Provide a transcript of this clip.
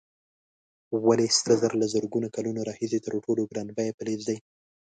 ولې سره زر له زرګونو کلونو راهیسې تر ټولو ګران بیه فلز دی؟